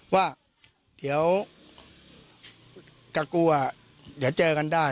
ว่าเดี๋ยวจะกลัวเดี๋ยวเจอกันได้